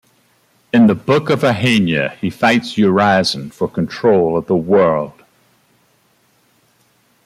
In "The Book of Ahania" he fights Urizen for control of the world.